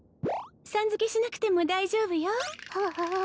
「さん」付けしなくても大丈夫よ